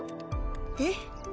えっ？